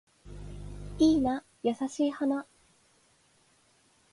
いいな優しい花